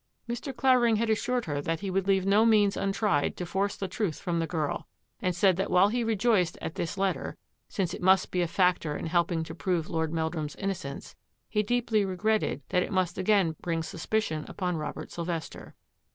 Mr. Clavering had assured her that he would leave no means untried to force the truth from the girl, and said that while he rejoiced at this let ter, since it must be a factor in helping to prove Lord Meldrum's innocence, he deeply regretted that it must again bring suspicion upon Robert Sylvester.